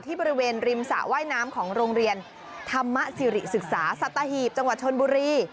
บริเวณริมสระว่ายน้ำของโรงเรียนธรรมสิริศึกษาสัตหีบจังหวัดชนบุรี